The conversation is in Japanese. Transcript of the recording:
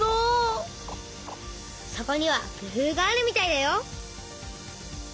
そこには工夫があるみたいだよ。